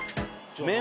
麺？